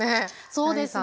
そうですね。